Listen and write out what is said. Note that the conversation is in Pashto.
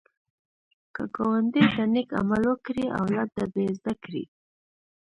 که ګاونډي ته نېک عمل وکړې، اولاد دې به زده کړي